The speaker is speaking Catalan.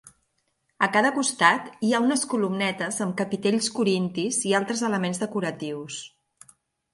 A cada costat hi ha unes columnetes amb capitells corintis i altres elements decoratius.